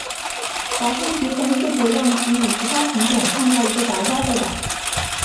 保护局曾试图让其与其它品种创造一个杂交后代。